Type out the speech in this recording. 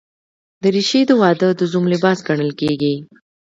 دریشي د واده د زوم لباس ګڼل کېږي.